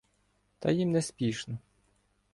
Та їм не спішно.